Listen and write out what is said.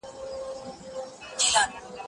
زه هره ورځ کتابتوننۍ سره وخت تېرووم